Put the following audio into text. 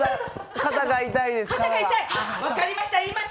肩が痛いです